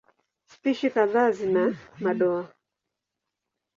Spishi kadhaa zina madoa.